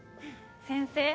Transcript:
先生